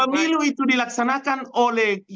pemilu itu dilaksanakan oleh